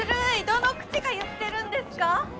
どの口が言ってるんですか？